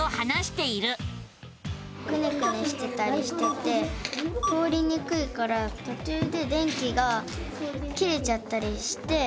くねくねしてたりしてて通りにくいからとちゅうで電気が切れちゃったりして。